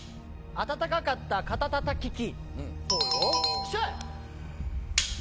温かかった肩たたき機。